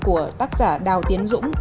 của tác giả đào tiến dũng